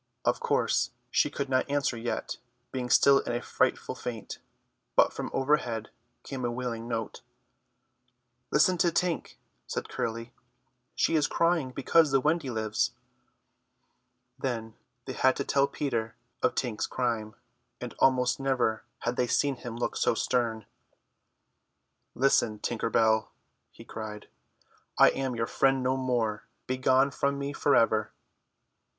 Of course she could not answer yet, being still in a frightful faint; but from overhead came a wailing note. "Listen to Tink," said Curly, "she is crying because the Wendy lives." Then they had to tell Peter of Tink's crime, and almost never had they seen him look so stern. "Listen, Tinker Bell," he cried, "I am your friend no more. Begone from me for ever."